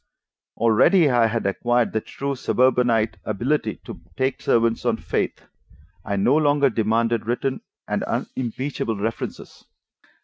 Already I had acquired the true suburbanite ability to take servants on faith; I no longer demanded written and unimpeachable references.